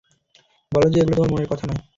বলো যে এগুলো তোমার মনের কথা নয়?